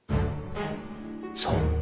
そう！